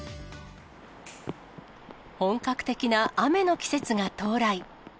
本格的な雨の季節が到来。